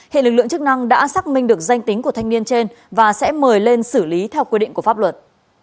hệ lực lượng chức năng đã xác minh được danh tính của thanh niên trên và sẽ mời lên xử lý theo quy định của pháp luật